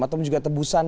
atau juga tebusan